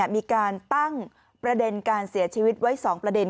มีการตั้งประเด็นการเสียชีวิตไว้๒ประเด็น